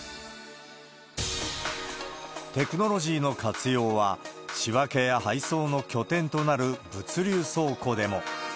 テクノロジーの活用は、仕分けや配送の拠点となる物流倉庫でも。